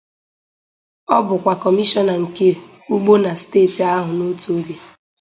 Ọ bụkwa kọmishọna nke ugbo na steeti ahụ n'otu oge.